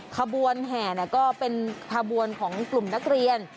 ขบวนแห่ก็เป็นขบวนของกลุ่มนักเรียน